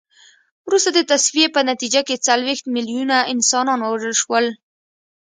وروسته د تصفیې په نتیجه کې څلوېښت میلیونه انسانان ووژل شول.